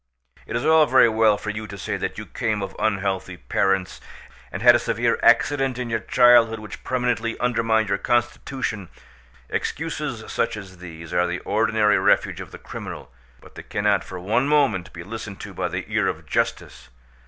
"It is all very well for you to say that you came of unhealthy parents, and had a severe accident in your childhood which permanently undermined your constitution; excuses such as these are the ordinary refuge of the criminal; but they cannot for one moment be listened to by the ear of justice.